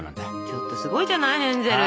ちょっとすごいじゃないヘンゼル！